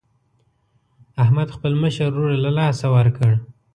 احمد خپل مشر ورور له لاسه ورکړ.